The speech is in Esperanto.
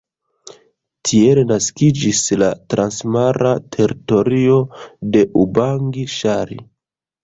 Tiel naskiĝis la Transmara Teritorio de Ubangi-Ŝari.